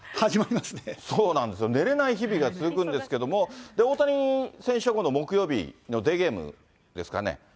そうなんですよ、寝れない日々が続くんですけども、大谷選手は木曜日のデーゲームですかね。